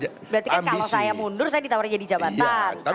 berarti kan kalau saya mundur saya ditawarin jadi jabatan